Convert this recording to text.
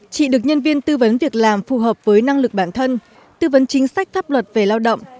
chị được nhân viên tư vấn việc làm phù hợp với năng lực bản thân tư vấn chính sách pháp luật về lao động